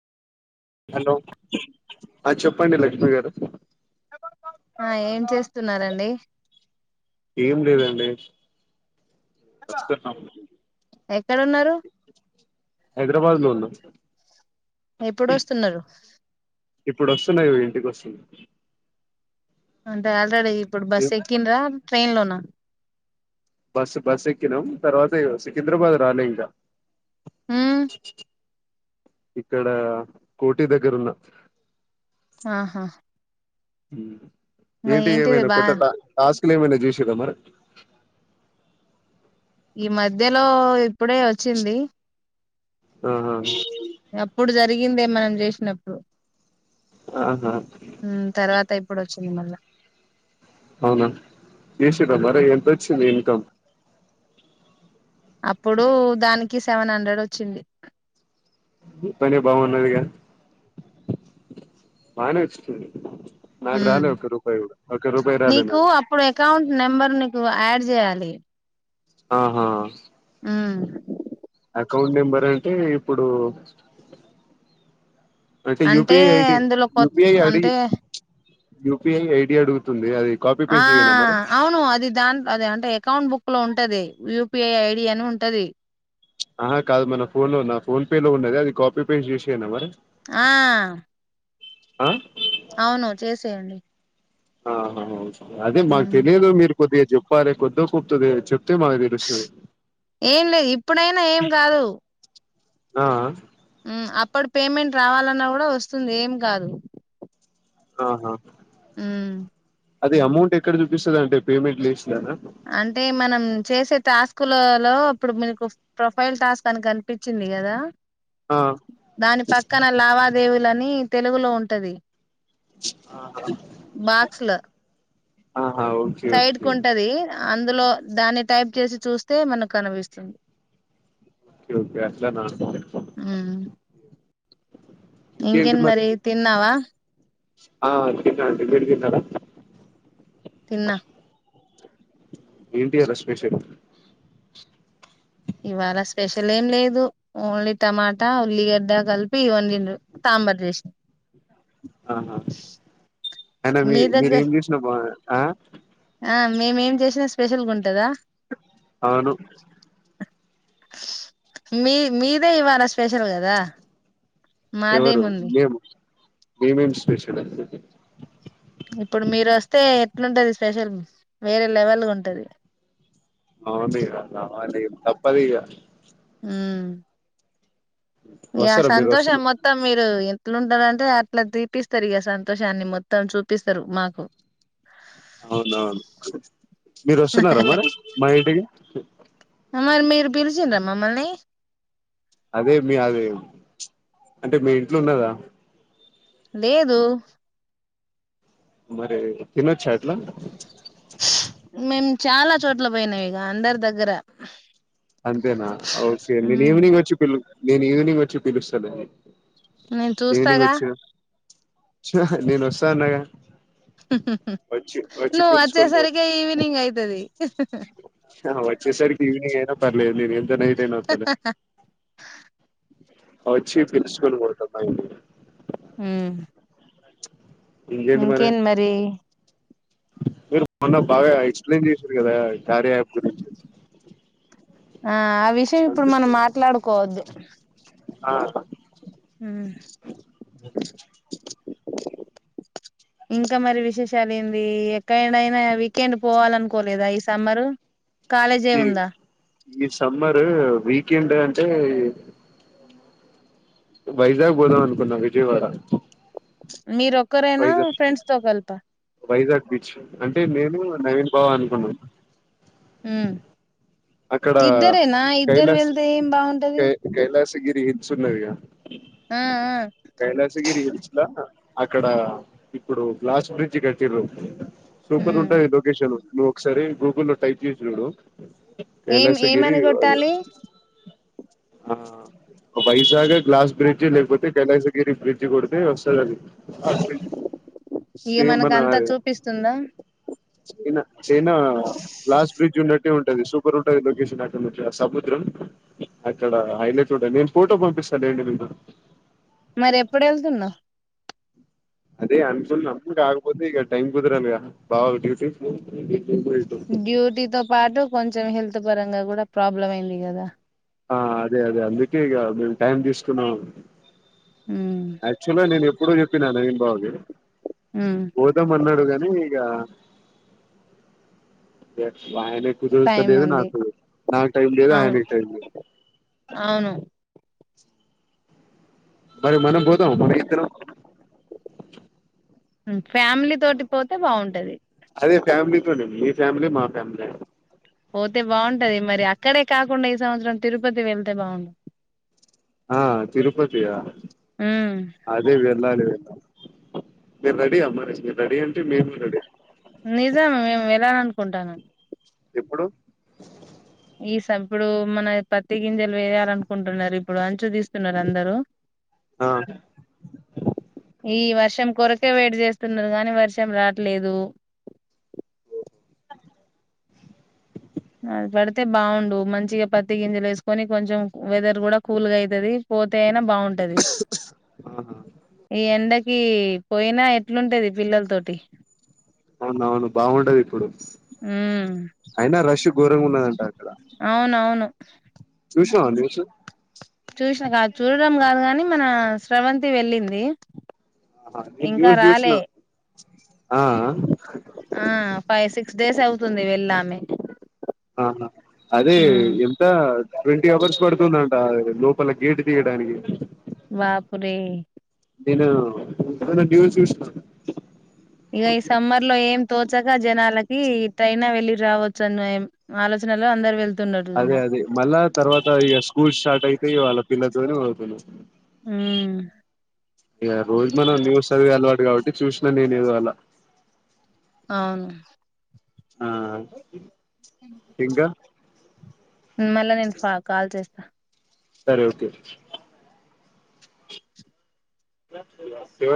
hello ఆ చెప్పండి లక్ష్మీ గారు ఆ ఏం చేస్తున్నారండి ఏం లేదండి వస్తున్నాం ఎక్కడున్నారు హైదరాబాద్ లో ఉన్నాం ఎప్పుడు వస్తున్నారు ఇప్పుడు వస్తున్నా ఇంటికి వస్తుం అంటే ఆల్రెడీ ఇప్పుడు బస్సు ఎక్కిన్రా ట్రైన్ లోనా బస్సు బస్ ఎక్కినాం తర్వాత ఇగో సికింద్రాబాద్ రాలే ఇంక ఊ ఇక్కడ కోటి దగ్గర ఉన్న ఆహా ఏంటి ఏంటిది ఏమైనా బా కొత్తద టాస్క్ తెలియకుండా చేశిండ్రా మరి ఈ మధ్యలో ఇప్పుడే వచ్చింది ఆహా అప్పుడు జరిగిందే మనం చేసినప్పుడు ఆహా ఇప్పుడుచ్చింది మల్ల అవునా ఎసిద్ధ మరి ఎంతొచ్చింది ఇన్కమ్ అప్పుడు దానికి సెవెన్ హండ్రెడ్ వచ్చింది మీ పనే బాగున్నదిగా బానే వచ్చుంది ఊ రాలే నీకు నాకు అప్పుడు అకౌంట్ నెంబర్ నీకు యాడ్ చేయాలి ఆహా ఊ అకౌంట్ నెంబర్ అంటే ఇప్పుడు అంటే యుపి ఐడి అందులో కొ యుపి అగిడి అంటే యుపిఐ ఐడి అడుగుతుంది అది కాపీ ఆ పేస్ట్ చేయనా మరి అవును అది దా అద అంటే అకౌంట్ బుక్ క్ లో ఉంటుది యుపిఐ ఐడి అని ఉంటది ఆహా కాదు మన ఫోన్ లో ఉన్న ఫోన్ పే లో ఉన్నది అది కాపీ పేస్ట్ చేసేయనా మరి ఆ అ అవును చేసేయండి ఆహా అదే మాకు మ్ తెలియదు మీరు కొద్దిగా చెప్పాలి కొద్దొ కుప్తుది చెప్ త్తే మాకు తెలుస్తాది ఏం లేదు ఇప్పుడైనా ఏం ఆ ఆ ము అప్పడి పేమెంట్ రావాలన్నా కూడా వస్తుంది ఏం కాదు ఆహా ఊ అది అమౌంట్ ఎక్కడ చూపిస్తది అంటే పేమెంట్ లేస్లన అంటే మనం చేసే టాస్కులోలో ఇప్పుడు మీకు ప్రొఫైల్ టాస్క్ అని కనిపించింది కదా ఆ దాని పక్కన లావాదేవీలని తెలుగులో ఉంటది ఆహా బాక్స్ లో ఓకే సైడ్ ఓకే కు ఉంటది అందులో దాన్ని టైప్ చేసి చూస్తే మనకు కనిపిస్తుంది ఓకే ఓకే అట్ల నా ఇంకేంటి మరి తిన్నావా ఆ తిన్న అండి ఇప్పుడె తిన్న తిన్నా ఎంటి ఈయళ స్పెషల్ ఇవాళ స్పెషల్ ఏం లేదు ఓన్లీ టమాటా ఉల్లిగడ్డ కలిపి వండిడ్రు సా సాంబర్ జేస్నాం ఆహా అయినా మీ మీరేం జేసినా బానే ఆ ఆ మేమేం చేసినా స్పెషల్గా ఉంటదా అవును మీ మీదే ఇవాళ స్పెషల్ కదా మాదేమి ఉంది మీదెం స్పెషల్ ఇప్పుడు మీరు వస్తే ఎట్లుంటది స్పెషల్ వేరే లెవెల్గా ఉంటది ఆ మీర రావాలి తప్పది ఇగ హ్మ్ ఇగ వస్తారా మీరు సంతోషం వస్తున్న మొత్తం మీరు ట్లుంటారంటే అట్లా ట్రీటిస్తారు ఇక సంతోషాన్ని మొత్తం చూపిస్తారు మాకు అవునవును మీరు వస్తున్నారా మరి మా ఇంటికి పిల్చిండ్ర మమ్మల్ని అదే మీ అదే అంటే మీ ఇంట్లో ఉన్నరా లేదు మరి పిలచ్చా అట్లా మేము చాలా చోట్ల పోయినాం ఇగ అందరి దగ్గర అంతేనా ఓకే నేను ఉమ్ ఈవినింగ్ వచ్చి పిలు నేను ఈవినింగ్ వచ్చి పిలుస్తాను అండి నేను చూస్తాగా నేను వస్తా అన్నాగా వచ్చి వచ్చి నువ్వు పిలుచుకొని వచ్చేసరికే పోతా ఈవినింగ్ అయితది ఆ వచ్చే సరికి ఈవినింగ్ పర్లేదు నేను ఎంత నైటైనా వత్తాను వచ్చి పిల్చుకొని పోత మా ఇంటికి హ్మ్ ఇంకేన్ మరి మీరు మొన్న బాగా ఎక్స్ప్లెయిన్ చేసారు కదా కార్య యాప్ గురించి ఆ ఆ విషయం ఇప్పుడు మనం అందుకే మాట్లాడుకోవద్దు ఆ... మ్ ఇంకా మరి విశేషాలు ఏంది ఎక్కడైనా వీకెండ్ పోవాలనుకోలేదా ఈ సమ్మరు కాలేజే ఈ ఉందా ఈ సమ్మరు వీకెండ్ అంటే వైజాగ్ పోదాం అనుకున్నాం విజయవాడ మీరు ఒ వైజాగ్ వైజాగ్ బీచ్ అంటే నేను నవీన్ బావ అనుకున్నాం ఉమ్ అక్కడ ఇద్దరేనా ఇద్దరు వెళ్తే ఏం బావుంటది గిరి హిల్స్ ఉన్నది గ ఆ కైలాస గిరి హిల్స్ లా అక్కడ ఇప్పుడు గ్లాస్ బ్రిడ్జ్ కట్టిర్రు సూపర్ ఉమ్ ఉంటది లొకేషన్ నువ్వు ఒకసారి గూగుల్లో టైప్ చేసి చూడు ఏం కైలాసగిరి ఏమని అది కొట్టాలి ఆ వైజాగ్ గ్లాస్ బ్రిడ్జ్ లేకపోతే గటసాగిరి బ్రిడ్జ్ కొడితే వస్తది అది ఇగ సేమ్ మనకు మన అంతా చూపిస్తుందా చైనా చైనా లాస్ బ్రిడ్జ్ ఉన్నట్టు ఉంటది సూప ర్ ఉంటది లొకేషన్ అక్కడ సముద్రం అక్కడ హైలట్ గా ఉంటుంది నేను ఫోటో పంపిస్తాను అండి మీకు మరి ఎప్పుడు వెళ్తున్నావు అదే అనుకున్న కాకపోతే ఇగ టైం కుదరాలి బావకు డ్యూటీ డ్యూటీతో పాటు కొంచెం హెల్త్ పరంగా కూడా ప్రాబ్లం అయింది కదా ఆ అదే అదే అందుకే ఇక మేము టైం తీసుకున్నాం ఉమ్ యాక్చువల్గా నేను ఎప్పుడో చెప్పినా నవీన్ బావ కి ఉమ్ పోదాం అన్నాడు కాని ఇగా ఎస్ ఆయనకు కుదురుతా టైం లేదు ఉంది నాకు నాకు టైం లేదు అవును ఆయనకి టైం లేదు అవును మరి మనం పోదామా మనం ఇద్దరం ఫ్యామిలీ తోటి పోతే బాగుంటది అదే ఫ్యామిలీతోడి మీ ఫ్యామిలీ మా ఫ్యామిలీ పోతే బాగుంటది మరి అక్కడే కాకుండా ఈ సంవత్సరం తిరుపతి వెళ్తే బాగుంటది ఆ తిరుపతి ఉమ్ అదే వెళ్ళాలి మీరు రెడీ ఆ మరి మీరు రెడీ అంటే మేము రెడీ నిజం మేము వెళ్ళాలి అనుకుంటన్నం ఇప్పుడు ఇప్పుడు మన పత్తి గింజలు వేయాలి అనుకుంటున్నారు ఇప్పుడు అచ్చు తీస్తున్నారు అందరు ఆ ఈ వర్షం కొరకే వెయిట్ చేస్తున్నాము కానీ వర్షం రావట్లేదు అది పడితే బాగుండు మంచిగా పత్తి గింజలు వేసుకొని కొంచెం వెదర్ కూడా కూల్గా అవుతుది పోతే అయినా బాగుంటది ఆహా ఈ ఎండ కి పోయినా ఎట్లుంటది పిల్లల తోటి అవునవును బాగుంటది ఇప్పుడు ఉమ్ అయినా రష్ ఘోరంగా ఉన్నదంటారు అవునవును నాకు తెలుసు చూసినా కాదు చూడడం కాదు గాని మన శ్రవంతి వెళ్ళింది హా నేను ఇంకా కూడా చూసిన రాలే ఆ ఫైవ్ సిక్స్ డేస్ అవుతుంది వెళ్ళి ఆమె ఆహా అదే ఎంత ట్వంటీ అవర్స్ పడుతుందంట లోపల గేటు తీయడానికి బాపురె నేను టీవీ చూసినా ఇక ఈ సమ్మర్ లో ఏం తోచక జనాలకి ట్రైన్ లో వెళ్లి రావచ్చు అని ఆలోచనలో అందరు వెళ్తు అదే అదే మళ్ళా తర్వాత ఇక స్కూల్ స్టార్ట్ అయితే ఇవాళ పిల్లతోనే పోతున్నా ఆ ఇగ రోజు మనం న్యూస్ చదివె అలవాటు కాబట్టి చూసిన నేనేదో అలా అవును ఆ ఇంకా మళ్ళా నేను కాల్ చేస్తా సరే ఓకే ఎవరు